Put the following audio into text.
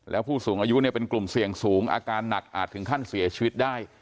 แล้วผู้สูงอายุเนี่ยเป็นกลุ่มเสี่ยงสูงอาการหนักอาจถึงขั้นเสียชีวิตได้